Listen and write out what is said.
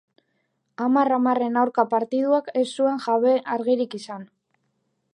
Hamar hamarren aurka partiduak ez zuen jabe argirik izan.